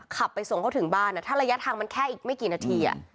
ขับไปส่งเขาถึงบ้านถ้าระยะทางมันแค่อีกไม่กี่นาที